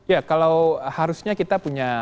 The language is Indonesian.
ya kalau harusnya kita punya